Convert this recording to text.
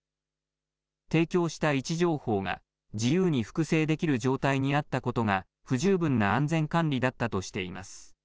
提供した位置情報が自由に複製できる状態にあったことが不十分な安全管理だったとしています。